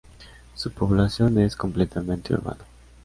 Su población es completamente urbana.